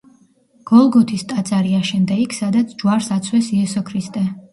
გოლგოთის ტაძარი აშენდა იქ, სადაც ჯვარს აცვეს იესო ქრისტე.